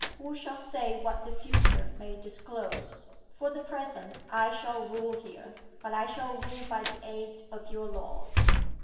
Who shall say what the future may disclose? For the present I shall rule here. But I shall rule by the aid of your laws."